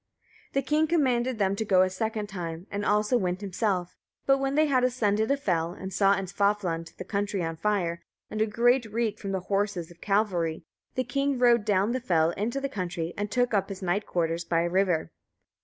The king commanded them to go a second time, and also went himself. But when they had ascended a fell, and saw in Svavaland the country on fire, and a great reek from the horses of cavalry, the king rode down the fell into the country, and took up his night quarters by a river.